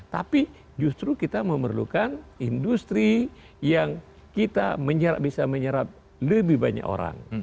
tapi justru kita memerlukan industri yang kita bisa menyerap lebih banyak orang